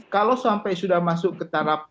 kalau sampai sudah masuk ke tarap